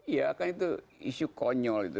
iya kan itu isu konyol itu